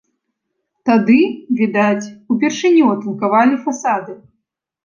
Тады, відаць, упершыню атынкавалі фасады.